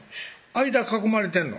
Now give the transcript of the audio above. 間囲まれてんの？